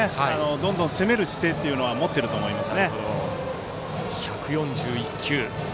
どんどん攻める姿勢というのは持っていると思います。